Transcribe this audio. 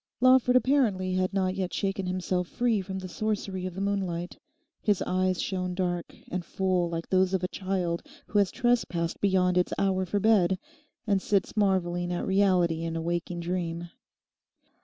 Lawford apparently had not yet shaken himself free from the sorcery of the moonlight. His eyes shone dark and full like those of a child who has trespassed beyond its hour for bed, and sits marvelling at reality in a waking dream.